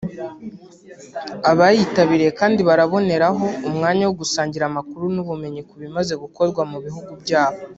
Abayitabiriye kandi baraboneraho umwanya wo gusangira amakuru n’ubumenyi ku bimaze gukorwa mu bihugu byabo